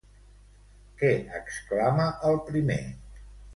Què exclama, el primer?